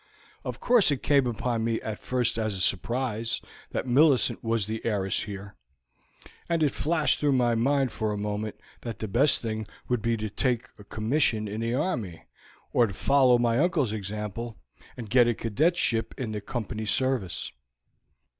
"Of course it came upon me at first as a surprise that Millicent was the heiress here, and it flashed through my mind for the moment that the best thing would be to take a commission in the army, or to follow my uncle's example, and get a cadetship in the Company's service.